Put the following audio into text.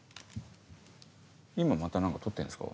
今また何か撮ってんですか？